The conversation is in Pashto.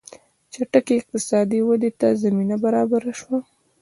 چټکې اقتصادي ودې ته زمینه برابره شوه.